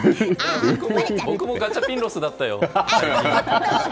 僕もガチャピンロスだったよ。